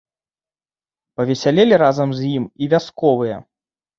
Павесялелі разам з ім і вясковыя.